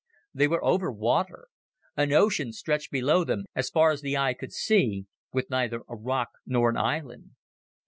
They were over water. An ocean stretched below them as far as the eye could see, with neither a rock nor an island.